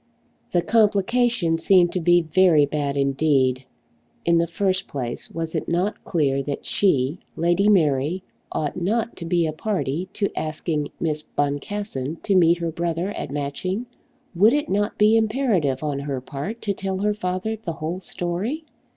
The complication seemed to be very bad indeed. In the first place was it not clear that she, Lady Mary, ought not to be a party to asking Miss Boncassen to meet her brother at Matching? Would it not be imperative on her part to tell her father the whole story?